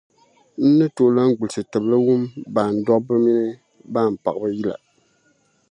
N ni tooi lan gbilisi tibili wum baan dɔbba minii baan’ paɣiba yila?